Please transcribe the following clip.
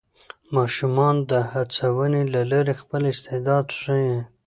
ماشومان د هڅونې له لارې خپل استعداد ښيي